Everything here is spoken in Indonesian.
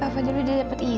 boleh lihat itu